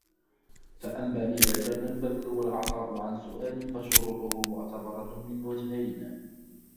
فَأَمَّا إذَا كَانَ الْبَذْلُ وَالْعَطَاءُ عَنْ سُؤَالٍ فَشُرُوطُهُ مُعْتَبَرَةٌ مِنْ وَجْهَيْنِ